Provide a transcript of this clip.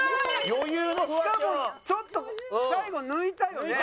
しかもちょっと最後抜いたよね。